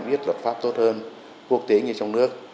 biết luật pháp tốt hơn quốc tế như trong nước